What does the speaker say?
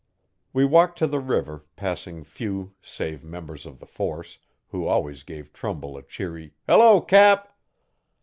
We walked to the river, passing few save members of 'the force, who always gave Trumbull a cheery 'hello, Cap!'